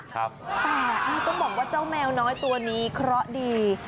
แต่ต้องบอกว่าเจ้าแมวน้อยตัวนี้เคราะห์ดี